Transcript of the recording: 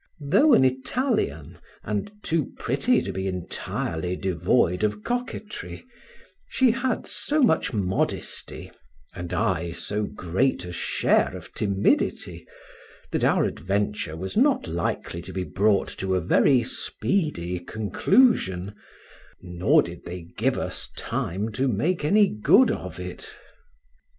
Though an Italian, and too pretty to be entirely devoid of coquetry, she had so much modesty, and I so great a share of timidity, that our adventure was not likely to be brought to a very speedy conclusion, nor did they give us time to make any good of it.